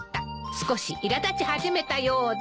「少しいら立ち始めたようだ」